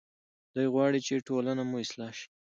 دی غواړي چې ټولنه مو اصلاح شي.